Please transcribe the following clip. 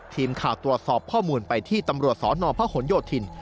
ทีมข่าวตรวจสอบข้อมูลไปที่ตำรวจสนพหนโยธิน